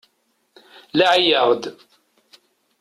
Laɛi-yaɣ-d.